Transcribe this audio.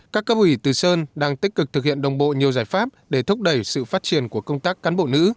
các cấp ủy từ sơn đang tích cực thực hiện đồng bộ nhiều giải pháp để thúc đẩy sự phát triển của công tác cán bộ nữ